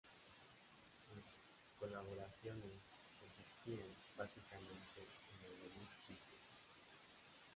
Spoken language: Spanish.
Sus colaboraciones consistían básicamente en añadir chistes.